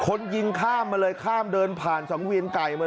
คนยิงข้ามมาเลยข้ามเดินผ่านสังเวียนไก่มา